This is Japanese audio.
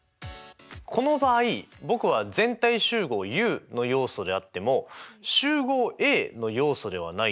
この場合僕は全体集合Ｕの要素であっても集合Ａの要素ではないってことですよね。